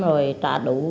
rồi trả đủ